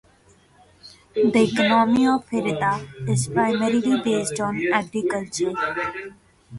The economy of Hirata is primarily based on agriculture.